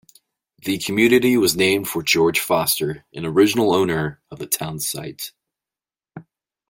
The community was named for George Foster, an original owner of the town site.